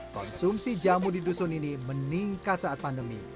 konsumsi jamu di dusun ini meningkat saat pandemi